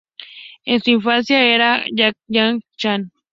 En su infancia era fan de Jackie Chan.